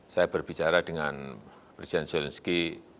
saya berbicara dengan presiden zelensky